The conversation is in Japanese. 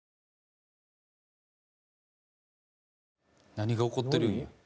「何が起こってるんや？」